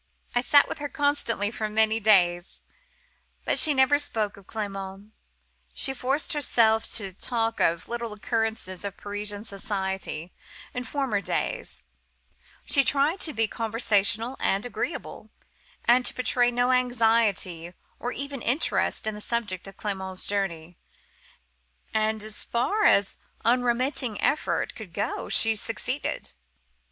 "I sat with her constantly for many days; but she never spoke of Clement. She forced herself to talk of the little occurrences of Parisian society in former days: she tried to be conversational and agreeable, and to betray no anxiety or even interest in the object of Clement's journey; and, as far as unremitting efforts could go, she succeeded.